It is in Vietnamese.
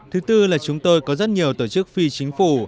thứ tư là chúng tôi có rất nhiều tổ chức phi chính phủ